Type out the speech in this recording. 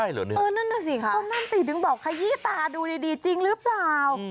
ตรงนั้นสิถึงบอกขยี้ตาดูดีจริงหรือเปล่า